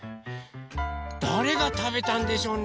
だれがたべたんでしょうね？